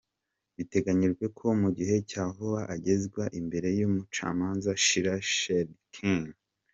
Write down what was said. Biteganyijwe ko mu gihe cya vuba agezwa imbere yumucamaza Shira Svheindlin.